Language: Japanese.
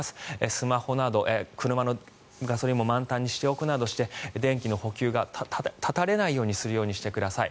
スマホなど、車のガソリンも満タンにしておくなどして電気の補給が断たれないようにしてください。